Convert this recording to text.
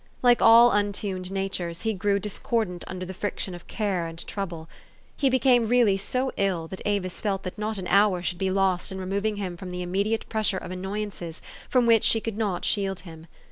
Like all untuned natures, he grew dis cordant under the friction of care and trouble. He became really so ill, that Avis felt that not an hour should be lost in removing him from the immediate pressure of annoyances from which she could not shield him.